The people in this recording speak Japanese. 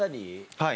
はい